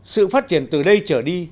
sự phát triển từ đây trở đi